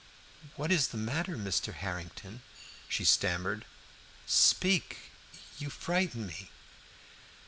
"What is the matter, Mr. Harrington?" she stammered. "Speak you frighten me!"